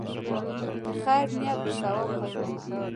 د خیر نیت د ثواب خزانه ده.